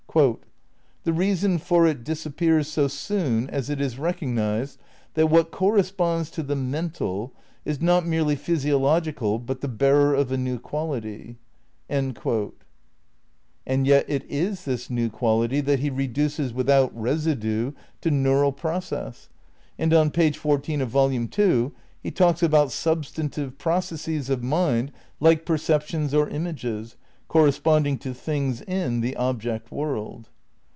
"... the reason for it disappears so soon as it is recognised that what corresponds to the mental is not merely physiological but the bearer of a new quality." ' And yet it is this new quality that he reduces '' with out residue" to neural process. And on page fourteen of Volume Two he talks about " substantivje processes of mind like perceptions or images ... corresponding to things in the object world."